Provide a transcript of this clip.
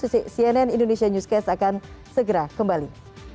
cnn indonesia newscast akan segera kembali